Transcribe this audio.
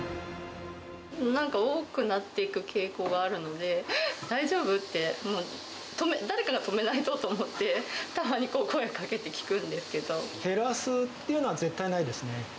なんか多くなっていく傾向があるので、大丈夫？って、もう誰かが止めないとと思って、たまにこう声かけて聞くんですけ減らすっていうのは絶対ないですね。